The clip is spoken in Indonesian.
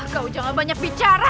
kau jangan banyak bicara